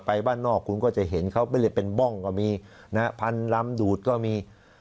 ไปบ้านนอกคุณก็จะเห็นเขาเป็นบ้องก็มีพันลำดูดก็มี